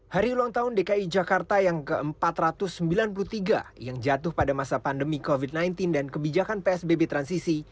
hari ulang tahun dki jakarta yang ke empat ratus sembilan puluh tiga yang jatuh pada masa pandemi covid sembilan belas dan kebijakan psbb transisi